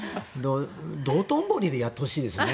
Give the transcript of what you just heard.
道頓堀でやってほしいですね。